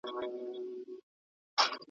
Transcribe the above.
له ملوک سره وتلي د بدریو جنازې دي ,